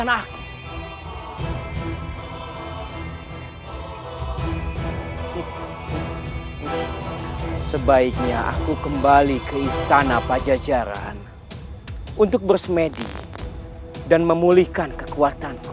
hai sebaiknya aku kembali ke istana pajajaran untuk bersemedi dan memulihkan kekuatanku